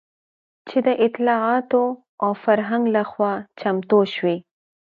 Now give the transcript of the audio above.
چې د اطلاعاتو او فرهنګ لخوا چمتو شوى